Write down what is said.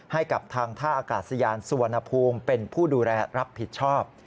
ให้กับทางท่าอากาศยานสุวรรณภูมิเป็นผู้ดูแลรับผิดชอบ